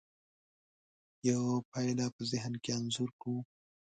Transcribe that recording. یوه پایله په ذهن کې انځور کوو.